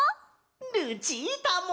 ルチータも！